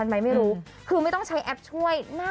น่าที่ลืมลงให้พยพ